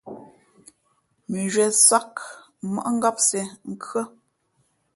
Mʉnzhwě sāk, mmάʼ ngāp siē , nkhʉ́ά.